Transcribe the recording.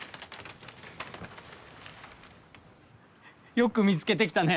よく見つけてきたね！